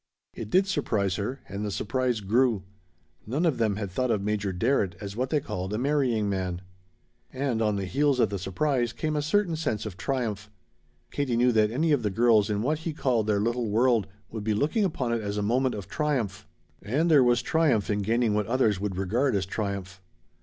It did surprise her, and the surprise grew. None of them had thought of Major Darrett as what they called a marrying man. And on the heels of the surprise came a certain sense of triumph. Katie knew that any of the girls in what he called their little world would be looking upon it as a moment of triumph, and there was triumph in gaining what others would regard as triumph.